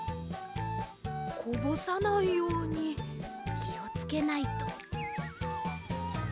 こぼさないようにきをつけないと。